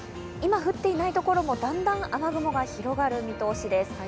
今降っていないところもだんだん雨雲が広がる見通しです。